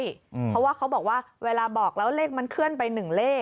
เพราะว่าเขาบอกว่าเวลาบอกแล้วเลขมันเคลื่อนไปหนึ่งเลข